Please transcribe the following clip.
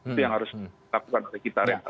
itu yang harus kita lakukan